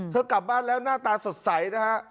เธอกลับบ้านแล้วหน้าตาสดใสนะครับ